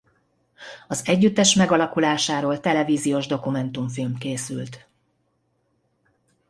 Az együttes megalakulásáról televíziós dokumentumfilm készült.